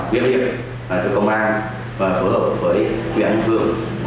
thứ hai là phải kỹ đạo quyết liệt công an phù hợp với nguyện phường